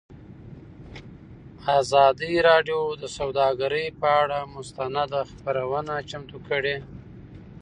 ازادي راډیو د سوداګري پر اړه مستند خپرونه چمتو کړې.